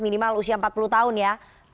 minimal usia empat puluh tahun ya